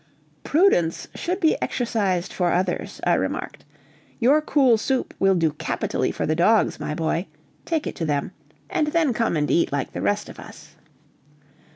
"Prudence should be exercised for others," I remarked; "your cool soup will do capitally for the dogs, my boy; take it to them, and then come and eat like the rest of us."